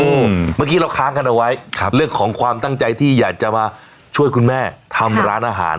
เมื่อกี้เราค้างกันเอาไว้ครับเรื่องของความตั้งใจที่อยากจะมาช่วยคุณแม่ทำร้านอาหาร